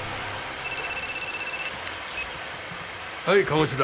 はい鴨志田。